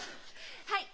はい！